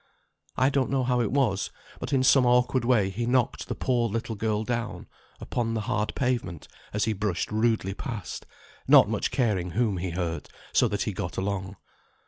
I don't know how it was, but in some awkward way he knocked the poor little girl down upon the hard pavement as he brushed rudely past, not much caring whom he hurt, so that he got along.